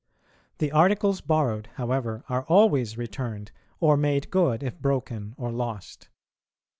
The articles borrowed, however, are always returned, or made good if broken or lost.